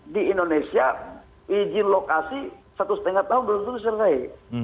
di indonesia ijin lokasi satu lima tahun belum selesai